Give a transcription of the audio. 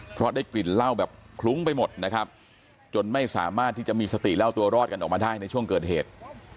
เพราะได้กลิ่นเหล้าแบบคลุ้งไปหมดนะครับจนไม่สามารถที่จะมีสติเล่าตัวรอดกันออกมาได้ในช่วงเกิดเหตุ